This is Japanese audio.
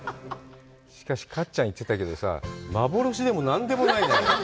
しかし、かっちゃん言ってたけどさ、幻でも何でもないじゃない。